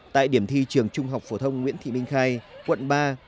tại điểm thi trường trung học phổ thông nguyễn thị minh khai quận ba